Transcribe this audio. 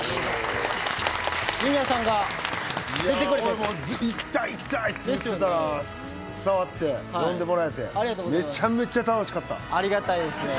俺もう行きたい行きたいって言ってたら伝わって呼んでもらえてありがとうございますめちゃめちゃ楽しかったありがたいですね